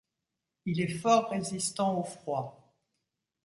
Il est fort résistant au froid.